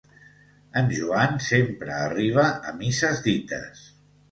En Joan sempre arriba a misses dites.